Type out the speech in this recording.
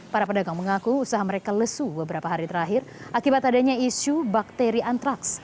para pedagang mengaku usaha mereka lesu beberapa hari terakhir akibat adanya isu bakteri antraks